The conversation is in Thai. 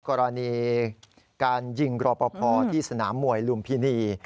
กรณีการยิงรอปภที่สนามมวยลุมพินี